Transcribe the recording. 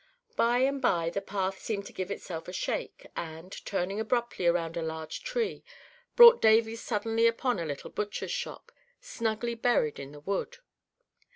By and by the path seemed to give itself a shake, and, turning abruptly around a large tree, brought Davy suddenly upon a little butcher's shop, snugly buried in the wood.